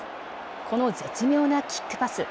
この絶妙なキックパス。